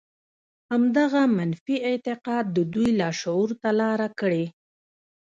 همدغه منفي اعتقاد د دوی لاشعور ته لاره کړې